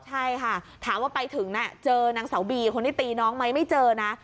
ใช่ค่ะถามว่าไปถึงเจอนางสาวบีคนที่ตีน้องไหมไม่เจอนะ